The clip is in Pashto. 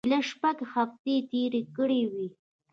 ایله شپږ هفتې یې تېرې کړې وې.